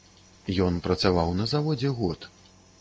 Ён працаваў на заводзе год.